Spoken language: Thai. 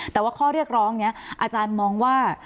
แต่ว่าข้อเรียกร้องนี้อาจารย์มองว่า